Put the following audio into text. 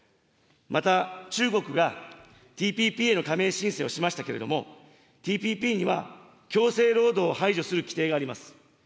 また中国がＴＰＰへの加盟申請をしましたけれども、ＴＰＰには強制労働を排除する規定があります。